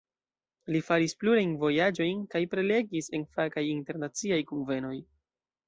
Li faris plurajn vojaĝojn kaj prelegis en fakaj internaciaj kunvenoj.